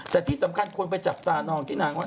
แต่ที่สำคัญคนไปจับตานองที่นางว่า